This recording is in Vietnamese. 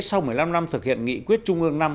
sau một mươi năm năm thực hiện nghị quyết trung ương năm